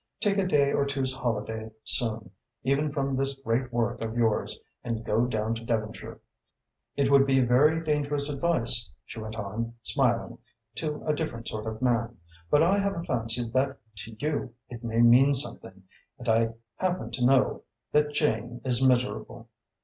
Take a day or two's holiday soon, even from this great work of yours, and go down to Devonshire. It would be very dangerous advice," she went on, smiling, "to a different sort of man, but I have a fancy that to you it may mean something, and I happen to know that Jane is miserable."